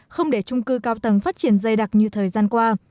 không để trung cư cao tầng phát triển dày đặc như thời gian qua